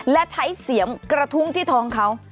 และใช้เสียมกระทุ้งที่ท้องเขา